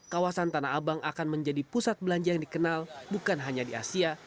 kawasan tanah abang akan menjadi pusat belanja yang dikenal bukan hanya di asia